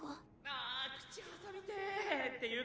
ああ口挟みてぇ！っていうか